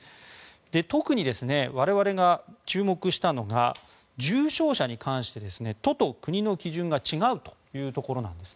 特に、我々が注目したのが重症者に関して都と国の基準が違うというところなんです。